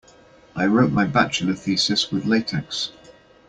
I wrote my bachelor thesis with latex.